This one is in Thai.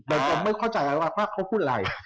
เราไม่เข้าใจอะไรว่าเขาพูดอะไร